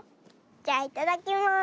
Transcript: じゃいただきます。